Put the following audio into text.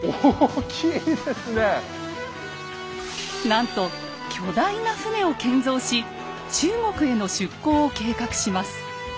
なんと巨大な船を建造し中国への出航を計画します。